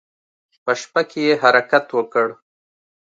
په شپه کې يې حرکت وکړ.